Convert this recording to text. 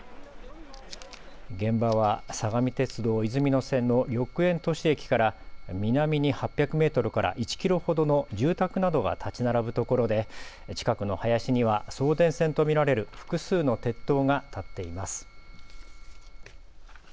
現場は相模鉄道いずみ野線の緑園都市駅から南に８００メートルから１キロほどの住宅などが建ち並ぶところで近くの林には送電線と見られる複数の鉄塔が立っています。